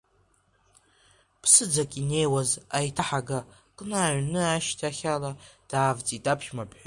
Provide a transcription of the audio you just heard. Ԥсыӡак инеиуаз аиҭаҳага кны аҩны ашьҭахьала даавҵит аԥшәмаԥҳәыс.